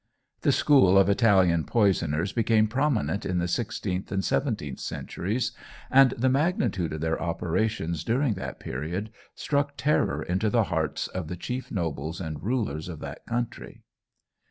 The school of Italian poisoners became prominent in the sixteenth and seventeenth centuries, and the magnitude of their operations during that period struck terror into the hearts of the chief nobles and rulers of that country.